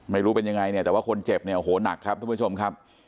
ไม่รู้เป็นยังไงเนี่ยแต่ว่าคนเจ็บเนี่ยโอ้โหหนักครับทุกผู้ชมครับ